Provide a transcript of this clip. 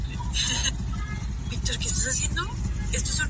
Spohr fue un virtuoso violinista que inventó el apoyo del mentón del violín.